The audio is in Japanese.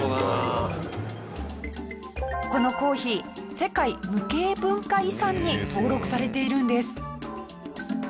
このコーヒー世界無形文化遺産に登録されているんです。